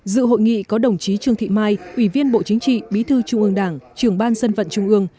dự hội nghị có đồng chí trương thị mai ủy viên bộ chính trị bí thư trung ương đảng trưởng ban dân vận trung ương